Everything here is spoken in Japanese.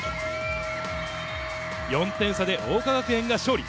４点差で桜花学園が勝利。